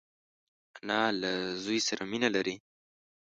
انا له زوی سره مینه لري